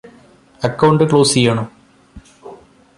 account close ചെയ്യണോ